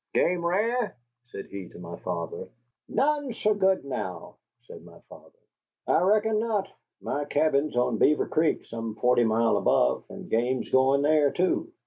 "Game rare?" said he to my father. "None sae good, now," said my father. "I reckon not. My cabin's on Beaver Creek some forty mile above, and game's going there, too."